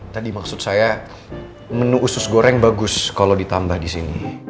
tadi maksud saya menu usus goreng bagus kalau ditambah di sini